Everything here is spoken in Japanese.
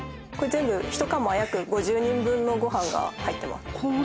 全部１釜約５０人分のご飯が入ってます